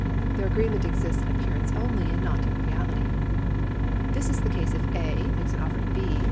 Their agreement exists in appearance only, and not in reality. This is the case if A. makes an offer to B.